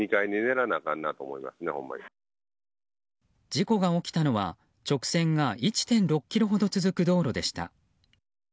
事故が起きたのは直線が１．６ｋｍほど続く道路でした。